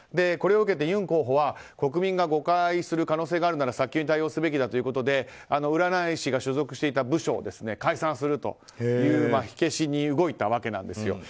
これを受けてユン候補は国民が誤解する可能性があるなら早急に対応すべきだということで占い師が所属していた部署を解散するという火消しに動いたわけなんですよ。